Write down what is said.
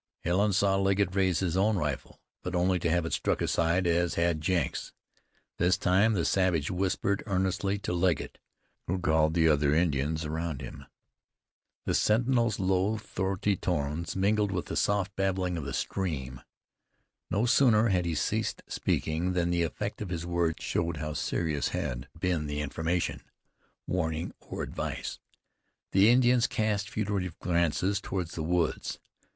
Helen saw Legget raise his own rifle, but only to have it struck aside as had Jenks's. This time the savage whispered earnestly to Legget, who called the other Indians around him. The sentinel's low throaty tones mingled with the soft babbling of the stream. No sooner had he ceased speaking than the effect of his words showed how serious had been the information, warning or advice. The Indians cast furtive glances toward the woods.